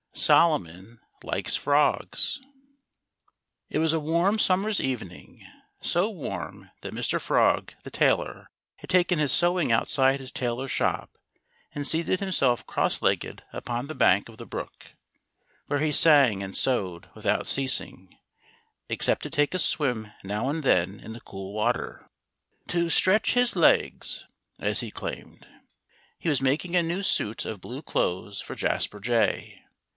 III Solomon Likes Frogs It was a warm summer's evening—so warm that Mr. Frog, the tailor, had taken his sewing outside his tailor's shop and seated himself cross legged upon the bank of the brook, where he sang and sewed without ceasing—except to take a swim now and then in the cool water, "to stretch his legs," as he claimed. He was making a new suit of blue clothes for Jasper Jay.